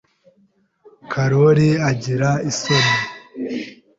Karoli agira isoni.